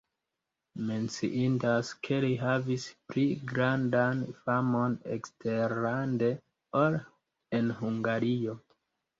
Menciindas, ke li havis pli grandan famon eksterlande, ol en Hungario.